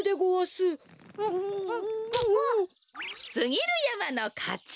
すぎるやまのかち！